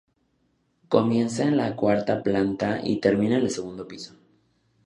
Comienza en la cuarta planta y termina en el segundo piso.